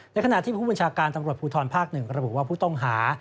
ขณะที่ผู้บัญชาการตำรวจภูทรภาค๑ระบุว่าผู้ต้องหา